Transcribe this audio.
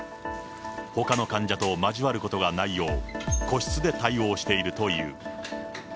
ほかの患者と交わることがないよう、個室で対応しているという。